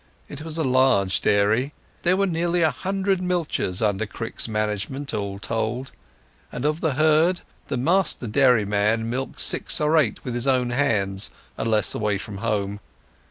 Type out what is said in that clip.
It was a large dairy. There were nearly a hundred milchers under Crick's management, all told; and of the herd the master dairyman milked six or eight with his own hands, unless away from home.